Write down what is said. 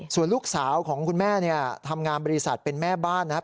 ส่วนลูกสาวของคุณแม่เนี่ยทำงานบริษัทเป็นแม่บ้านนะครับ